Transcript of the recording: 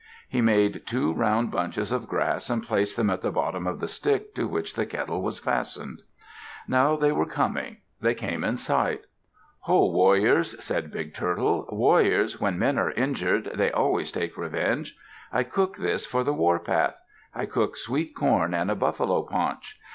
He made two round bunches of grass and placed them at the bottom of the stick to which the kettle was fastened. Now they were coming. They came in sight. "Ho, warriors!" said Big Turtle. "Warriors, when men are injured, they always take revenge. I cook this for the warpath. I cook sweet corn and a buffalo paunch.